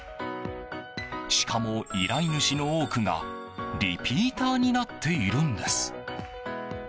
しかも依頼主の多くがリピーターになっているんです。